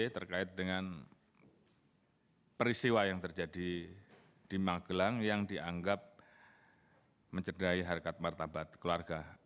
terkait dengan peristiwa yang terjadi di magelang yang dianggap mencederai harkat martabat keluarga